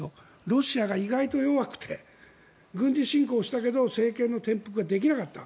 ロシアが意外と弱くて軍事侵攻したけど政権の転覆ができなかった。